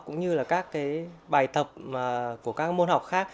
cũng như là các cái bài thập của các môn học khác